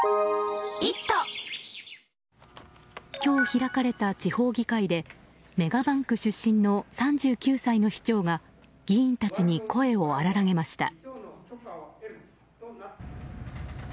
今日開かれた地方議会でメガバンク出身の３９歳の市長が議員たちに声を荒らげました。